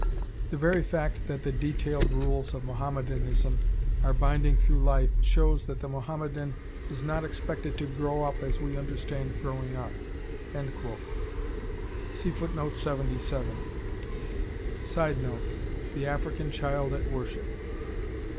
The very fact that the detailed rules of Mohammedanism are binding through life shows that the Mohammedan is not expected to grow up as we understand growing up." [Sidenote: The African Child at Worship.